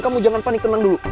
kamu jangan panik tenang dulu